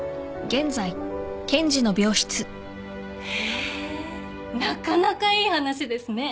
へぇなかなかいい話ですね。